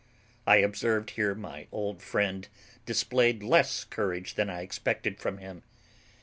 I observed here my old friend displayed less courage than I expected from him.